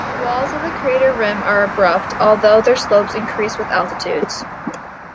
The walls of the crater rim are abrupt, although their slopes increase with altitudes.